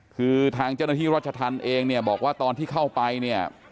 คือทางเจ้าหน้าที่รัชธรรมเองเนี่ยบอกว่าตอนที่เข้าไปเนี่ย